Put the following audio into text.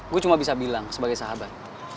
gue cuma bisa bilang sebagai sahabat